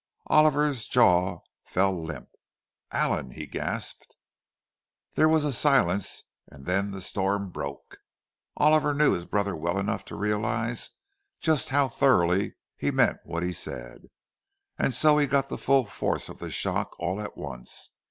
Oliver's jaw fell limp. "Allan!" he gasped. There was a silence; and then the storm broke. Oliver knew his brother well enough to realize just how thoroughly he meant what he said; and so he got the full force of the shock all at once.